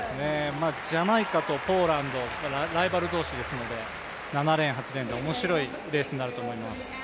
ジャマイカとポーランド、ライバル同士ですので、７レーン、８レーンがおもしろいレースになると思います。